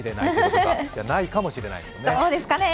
じゃあないかもしれないね。